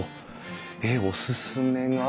えっおすすめが。